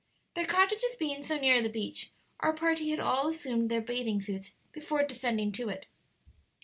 Their cottages being so near the beach, our party all assumed their bathing suits before descending to it.